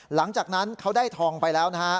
หลังจากนั้นเขาได้ทองไปแล้วนะฮะ